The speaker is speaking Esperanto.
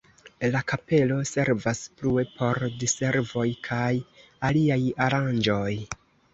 La kapelo servas plue por diservoj kaj aliaj aranĝoj.